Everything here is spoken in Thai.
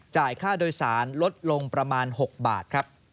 จ่ายค่าโดยสารลดลงประมาณ๖บาท